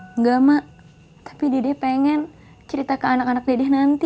enggak mak tapi dede pengen cerita ke anak anak dede nanti